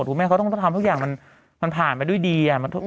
แม่เขาต้องทำทุกอย่างมันผ่านไปด้วยดี